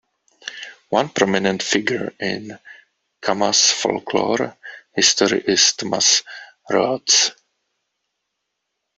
One prominent figure in Kamas folklore history is Thomas Rhoads.